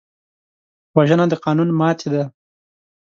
وژنه د قانون ماتې ده